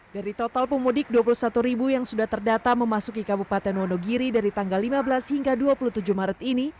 dari total pemudik dua puluh satu ribu yang sudah terdata memasuki kabupaten wonogiri dari tanggal lima belas hingga dua puluh tujuh maret ini